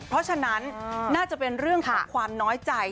เพราะฉะนั้นน่าจะเป็นเรื่องของความน้อยใจ